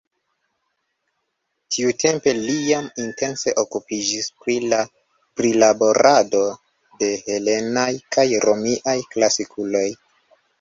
Tiutempe li jam intense okupiĝis pri la prilaborado de helenaj kaj romiaj klasikuloj.